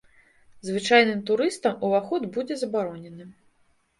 Звычайным турыстам уваход будзе забаронены.